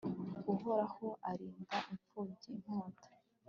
uhoraho arinda imfubyi inkota